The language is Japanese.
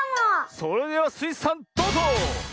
それではスイさんどうぞ！